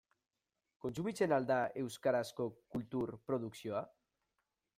Kontsumitzen al da euskarazko kultur produkzioa?